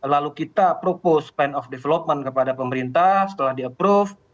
lalu kita propose pan of development kepada pemerintah setelah di approve